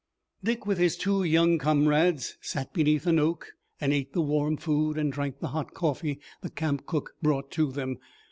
Dick with his two young comrades sat beneath an oak and ate the warm food and drank the hot coffee the camp cook brought to them.